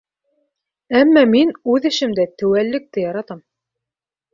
Әммә мин үҙ эшемдә теүәллекте яратам.